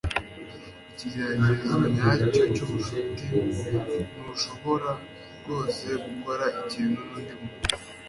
ikigeragezo nyacyo cyubucuti ntushobora rwose gukora ikintu nundi muntu